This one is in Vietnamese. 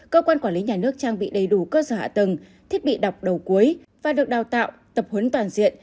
cơ quan quản lý nhà nước trang bị đầy đủ cơ sở hạ tầng thiết bị đọc đầu cuối và được đào tạo tập huấn toàn diện